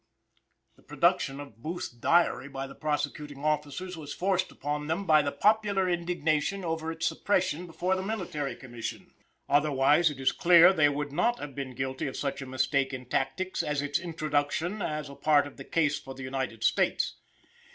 The production of Booth's diary by the prosecuting officers was forced upon them by the popular indignation over its suppression before the Military Commission; otherwise, it is clear they would not have been guilty of such a mistake in tactics as its introduction as a part of the case for the United States.